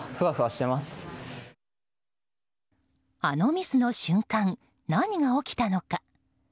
あのミスの瞬間何が起きたのか。